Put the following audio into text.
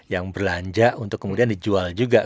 yang belanja untuk kemudian dijual juga